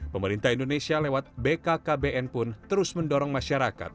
pemerintah indonesia lewat bkkbn pun terus mendorong masyarakat